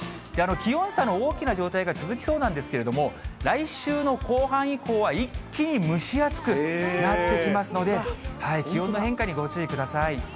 気温差の大きな状態が続きそうなんですけれども、来週の後半以降は一気に蒸し暑くなってきますので、気温の変化にご注意ください。